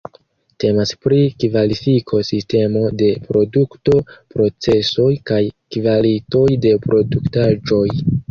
Temas pri kvalifiko-sistemo de produkto-procesoj kaj kvalitoj de produktaĵoj.